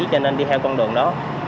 cho nên đi theo con đường đó